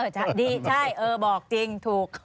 จะดีจ้ะบอกจริงถูก